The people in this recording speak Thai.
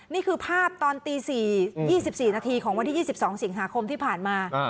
นี่คือภาพตอนตี๔๒๔นาทีของวันที่๒๒สิงหาคมที่ผ่านมา